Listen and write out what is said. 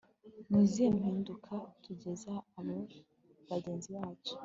ni izihe mpinduka duteza abo bagenzi bacu